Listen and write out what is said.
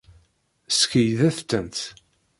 Skeydet-tent.